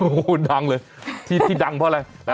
โอ้โหดังเลยที่ดังเพราะอะไร